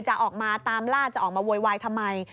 จะออกมาตามล่าจะออกมาโวยวายทำไม